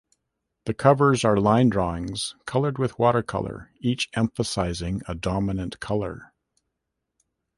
The covers are line drawings colored with watercolor, each emphasizing a dominant color.